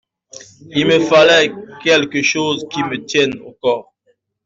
Il me fallait quelque chose qui me tienne au corps.